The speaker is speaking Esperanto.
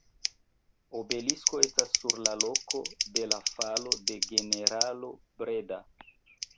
Obelisko estas sur la loko de la falo de generalo Breda.